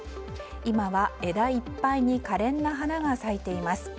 今は枝いっぱいに可憐な花が咲いています。